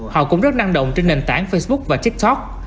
họ cũng rất năng động trên nền tảng facebook và tiktok